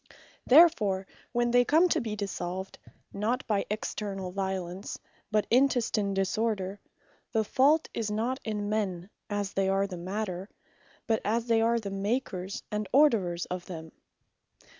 Therefore when they come to be dissolved, not by externall violence, but intestine disorder, the fault is not in men, as they are the Matter; but as they are the Makers, and orderers of them.